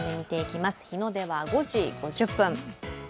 日の出は５時５０分。